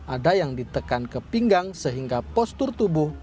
ada yang ditekan ke pinggang sehingga postur tubuh